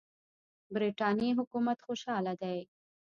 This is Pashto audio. برټانیې حکومت خوشاله دی.